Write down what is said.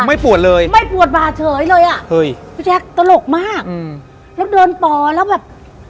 ไม่ปวดเลยไม่ปวดบ่าเฉยเลยอะตลกมากแล้วเดินป่อนแล้วแบบ